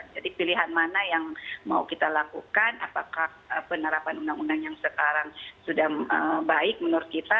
jadi pilihan mana yang mau kita lakukan apakah penerapan undang undang yang sekarang sudah baik menurut kita